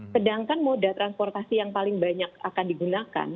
sedangkan moda transportasi yang paling banyak akan digunakan